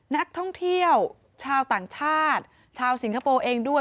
นักท่องเที่ยวชาวต่างชาติชาวสิงคโปร์เองด้วย